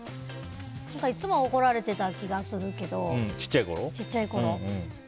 いつも怒られてた気がするけど小さいころ。